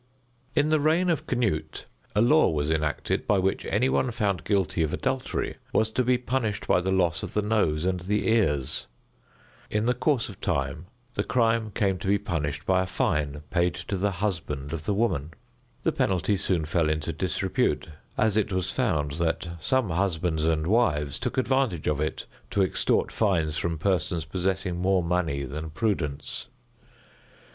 In the reign of Canute a law was enacted by which any one found guilty of adultery was to be punished by the loss of the nose and the ears. In the course of time the crime came to be punished by a fine paid to the husband of the woman. This penalty soon fell into disrepute, as it was found that some husbands and wives took advantage of it to extort fines from persons possessing more money than prudence.